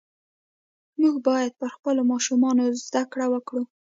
موږ باید پر خپلو ماشومانو زده کړه وکړو .